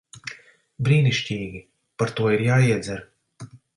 Brīnišķīgi. Par to ir jāiedzer.